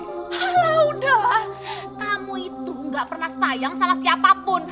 kalau udah kamu itu gak pernah sayang sama siapapun